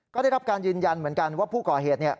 ก็ได้รับการยืนยันเหมือนกันว่าผู้ก่อเหตุ